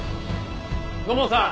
土門さん！